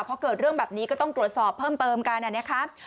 พอเกิดเรื่องแบบนี้ก็ต้องตรวจสอบเพิ่มเติมกันนะครับ